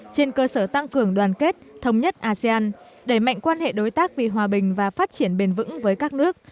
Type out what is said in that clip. trên cơ sở tăng cường đoàn kết thống nhất asean đẩy mạnh quan hệ đối tác vì hòa bình và phát triển bền vững với các nước